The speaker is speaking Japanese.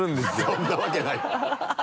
そんなわけない